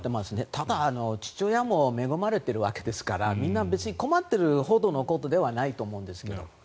ただ、父親も恵まれているわけですからみんな別に困っているほどのことではないと思うんですが。